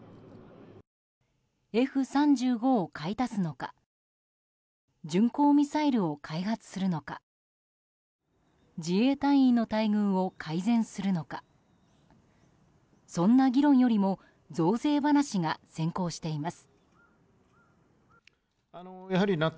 Ｆ３５を買い足すのか巡航ミサイルを開発するのか自衛隊員の待遇を改善するのかそんな議論よりも増税話が先行しています。